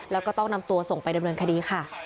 แล้วก็ต้องนำตัวส่งไปดำเนินคดีค่ะ